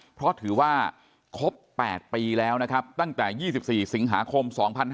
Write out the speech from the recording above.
เพราะถือว่าครบ๘ปีแล้วนะครับตั้งแต่๒๔สิงหาคม๒๕๕๙